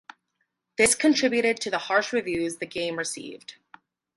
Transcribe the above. This contributed to the harsh reviews the game received.